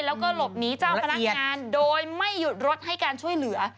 แล้วก็หลบหนีเจ้าพนักงานโดยไม่หยุดรถให้การช่วยเหลือ